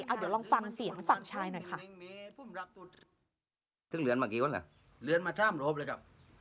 เอาเดี๋ยวลองฟังเสียงฝั่งชายหน่อยค่ะ